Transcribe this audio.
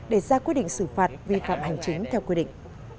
để ra quyết định xử phạt vi phạm hành chính theo quy định